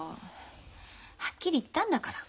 はっきり言ったんだから。